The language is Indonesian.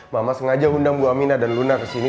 mama sengaja undang bu amina dan luna kesini